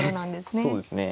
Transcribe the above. そうですね。